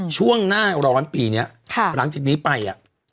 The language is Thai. ช่วงหน้าร้อนปีนี้หลังจากนี้ไปอ่ะ